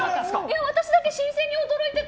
私だけ新鮮に驚いてて。